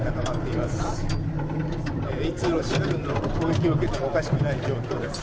いつロシア軍の攻撃を受けてもおかしくない状況です。